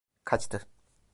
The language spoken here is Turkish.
Kaçtı.